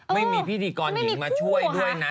ไม่มีพิธีกรหญิงมาช่วยด้วยนะ